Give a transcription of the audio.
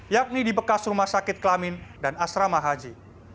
yakni di bekas rumah sakit kelamin dan asrama haji